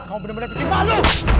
kamu bener bener bikin malu